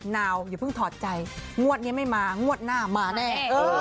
นาวอย่าเพิ่งถอดใจงวดนี้ไม่มางวดหน้ามาแน่